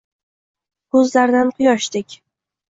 Ko‘zlaridan quyoshdek